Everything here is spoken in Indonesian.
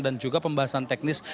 dan juga pembahasan teknis